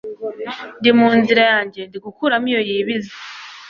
ndi munzira yanjye, ndi gukuramo iyo yibiza